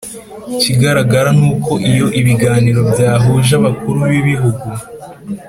ikigaragara ni uko iyo ibiganiro byahuje abakuru b’ibihugu